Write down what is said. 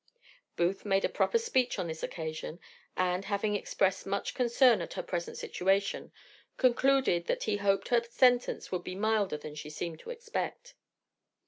Booth made a proper speech on this occasion, and, having exprest much concern at her present situation, concluded that he hoped her sentence would be milder than she seemed to expect.